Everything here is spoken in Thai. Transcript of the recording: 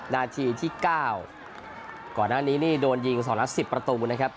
นาทีที่๙ก่อนหน้านี้นี่โดนยิง๒นัด๑๐ประตูนะครับ